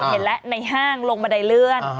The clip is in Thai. เห็นแล้วในห้างลงบันไดเลื่อน